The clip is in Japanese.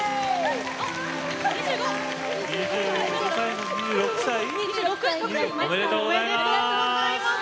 ２５歳おめでとうございます。